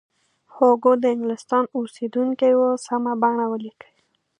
هوګو د انګلستان اوسیدونکی و سمه بڼه ولیکئ.